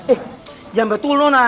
eh jangan betul nona